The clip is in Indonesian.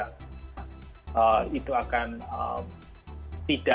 itu akan tidaknya tidak akan menjadi hal yang berbeda